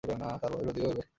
তাহার বয়স অধিক হইবে না।